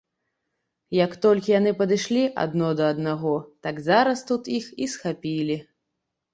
Як толькі яны падышлі адно да аднаго, так зараз тут іх і схапілі.